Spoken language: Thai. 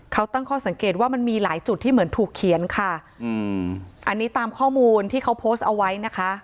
เขาตั้งข้อสังเกตว่ามันมีหลายจุดที่เหมือนถูกเขียนค่ะอืมอันนี้ตามข้อมูลที่เขาโพสต์เอาไว้นะคะ